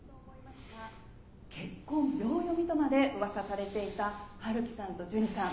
「結婚秒読みとまで噂されていた陽樹さんとジュニさん